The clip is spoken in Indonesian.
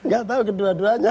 gak tau kedua duanya